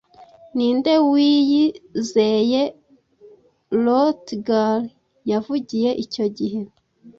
Ni nde wiyizeye Hrothgar yavugiye icyo gihe